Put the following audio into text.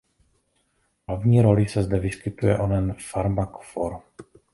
V hlavní roli se zde vyskytuje onen farmakofor.